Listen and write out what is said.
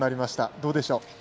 どうでしょう？